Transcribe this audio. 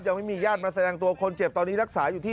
ยังไม่มีญาติมาแสดงตัวคนเจ็บตอนนี้รักษาอยู่ที่